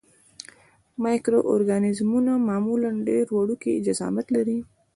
مایکرو ارګانیزمونه معمولاً ډېر وړوکی جسامت لري.